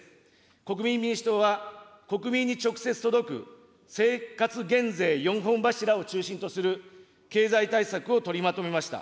国民民主党は、国民に直接届く生活減税４本柱を中心とする経済対策を取りまとめました。